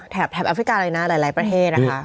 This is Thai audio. แถบแอฟริกาเลยนะหลายประเทศนะคะ